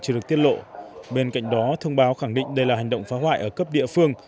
chưa được tiết lộ bên cạnh đó thông báo khẳng định đây là hành động phá hoại ở cấp địa phương